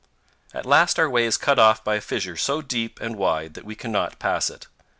At last our way is cut off by a fissure so deep and wide that we cannot pass it.